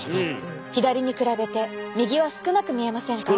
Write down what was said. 左に比べて右は少なく見えませんか？